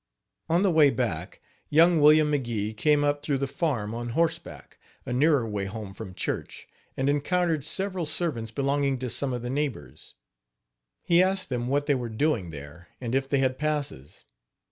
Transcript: On the way back, young William McGee came up through the farm, on horseback, a nearer way home from church, and encountered several servants belonging to some of the neighbors. He asked them what they were doing there, and if they had passes.